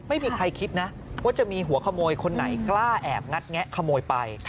ไม่มีใครคิดนะว่าจะมีหัวขโมยคนไหนกล้าแอบงัดแงะขโมยไป